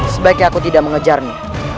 sebaiknya aku tidak mengejarnya